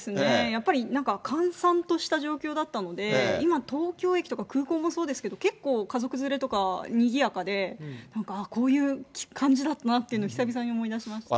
やっぱりなんか、閑散とした状況だったので、今、東京駅とか、空港もそうですけど、結構家族連れとか、にぎやかで、なんか、あー、こういう感じだったなって久々に思い出しました。